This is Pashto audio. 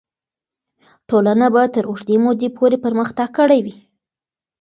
ټولنه به تر اوږدې مودې پورې پرمختګ کړی وي.